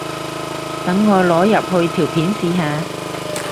等我擺入去條片試下